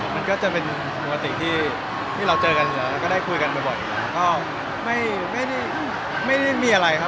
มันก็จะเป็นปกติที่เราเจอกันอยู่แล้วก็ได้คุยกันบ่อยก็ไม่ได้มีอะไรครับ